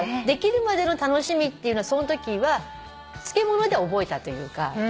出来るまでの楽しみっていうのはそのときは漬物で覚えたというか。